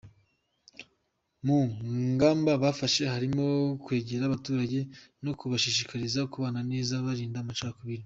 Mu ngamba bafashe harimo kwegera abaturage no kubashishikariza kubana neza birinda amacakubiri.